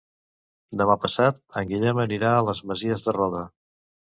Demà passat en Guillem anirà a les Masies de Roda.